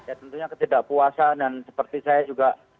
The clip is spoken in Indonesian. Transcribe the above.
dan tentunya ketidakpuasaan dan seperti saya juga